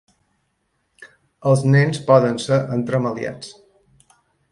Els nens poden ser entremaliats.